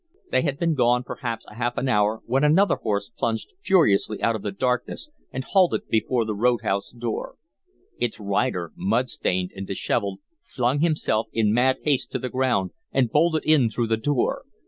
They had been gone perhaps a half hour when another horse plunged furiously out of the darkness and halted before the road house door. Its rider, mud stained and dishevelled, flung himself in mad haste to the ground and bolted in through the door.